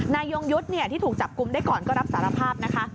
ยงยุทธ์ที่ถูกจับกลุ่มได้ก่อนก็รับสารภาพนะคะ